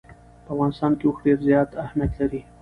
په افغانستان کې اوښ ډېر زیات اهمیت لري.